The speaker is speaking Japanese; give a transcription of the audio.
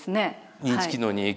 認知機能に影響。